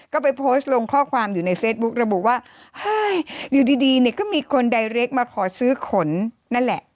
ก็ไปโพสต์ลงข้อความอยู่ในเฟซบุ๊กระบุว่าเฮ้ยอยู่ดีดีเนี่ยก็มีคนใดเล็กมาขอซื้อขนนั่นแหละ